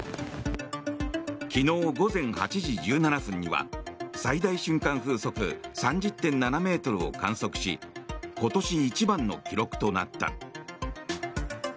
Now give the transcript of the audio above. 昨日午前８時１７分には最大瞬間風速３０．７ｍを観測し今年一番の記録となった。